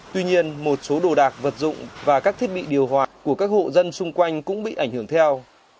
tuy nhiên một số đồ đạc vật dụng và các thiết bị điều hoạt của các hộ dân xung quanh cũng bị ảnh hưởng theo